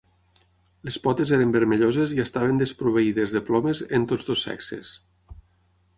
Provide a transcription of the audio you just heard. Les potes eren vermelloses i estaven desproveïdes de plomes en tots dos sexes.